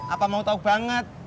apa mau tahu banget